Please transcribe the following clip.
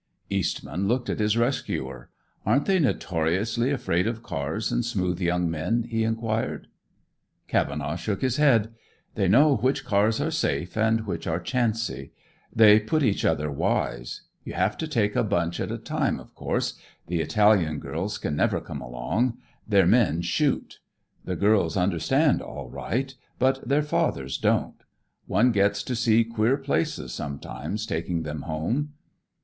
Eastman looked at his rescuer. "Aren't they notoriously afraid of cars and smooth young men?" he inquired. Cavenaugh shook his head. "They know which cars are safe and which are chancy. They put each other wise. You have to take a bunch at a time, of course. The Italian girls can never come along; their men shoot. The girls understand, all right; but their fathers don't. One gets to see queer places, sometimes, taking them home."